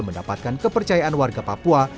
mendapatkan kepercayaan warga papua